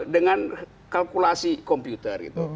dengan kalkulasi komputer gitu